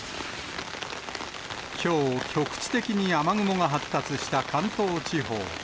きょう、局地的に雨雲が発達した関東地方。